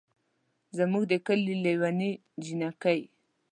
زمونږ ده کلي لېوني جينکۍ